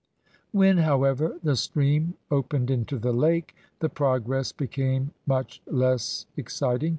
When, however, the stream opened into the lake, the progress became much less exciting.